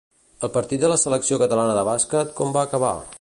El partit de la selecció catalana de bàsquet com va acabar?